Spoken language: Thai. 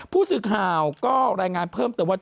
ผู้สื่อข่าวก็รายงานเพิ่ม